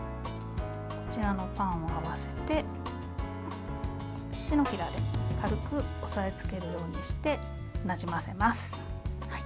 こちらのパンを合わせて手のひらで軽く押さえつけるようにしてなじませます。